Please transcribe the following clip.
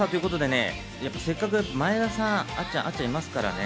せっかく前田さん、あっちゃんがいますからね。